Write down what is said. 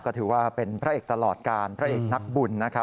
ก็ถือว่าเป็นพระเอกตลอดการพระเอกนักบุญนะครับ